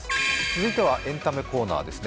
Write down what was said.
続いてはエンタメコーナーです。